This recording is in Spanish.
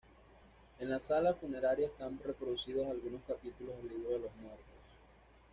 En la sala funeraria están reproducidos algunos capítulos del Libro de los Muertos.